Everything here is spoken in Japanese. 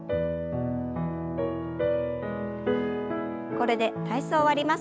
これで体操を終わります。